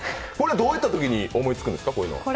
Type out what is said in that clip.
どういったときに思いつくんですか、こういうの。